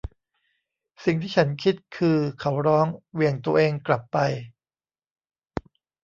สิ่งที่ฉันคิดคือ เขาร้อง เหวี่ยงตัวเองกลับไป